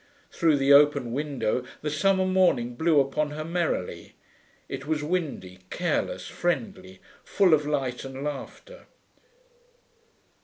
Through the open window the summer morning blew upon her merrily; it was windy, careless, friendly, full of light and laughter.